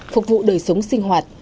phục vụ đời sống sinh hoạt